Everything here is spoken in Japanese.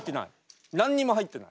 何にも入ってない。